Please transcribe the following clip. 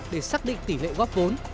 để xác định tỷ lệ góp vốn